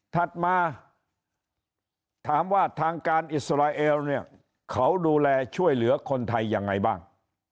ถัดมาถามว่าทางการอิสราเอลเนี่ยเขาดูแลช่วยเหลือคนไทยยังไงบ้าง